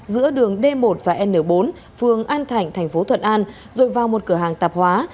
giữa đường d một và n bốn phường an thạnh thành phố thuận an rồi vào một cửa hàng tạp hóa